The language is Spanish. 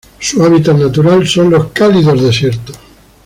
Su hábitat natural son los cálidos desiertos.